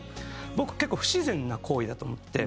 僕結構不自然な行為だと思って。